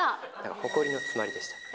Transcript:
ほこりの詰まりでした。